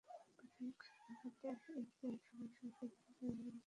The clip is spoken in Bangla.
প্রাথমিক তদন্তে, এদের সবাই শ্বাসরুদ্ধ হয়ে মারা গেছে বলে অনুমান করা হচ্ছে।